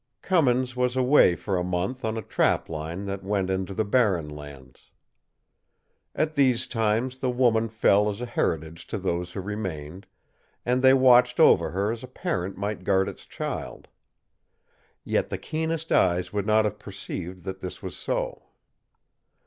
Cummins was away for a month on a trap line that went into the Barren Lands. At these times the woman fell as a heritage to those who remained, and they watched over her as a parent might guard its child. Yet the keenest eyes would not have perceived that this was so.